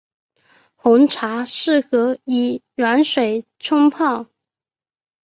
红茶适合以软水冲泡。